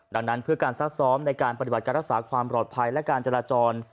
ดังนั้นเพื่อการซักซ้อมในการปฏิบัติการรักษาความปลอดภัยและการจราจร